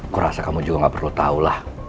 kurasa kamu juga gak perlu tahulah